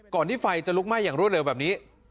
ที่ไฟจะลุกไหม้อย่างรวดเร็วแบบนี้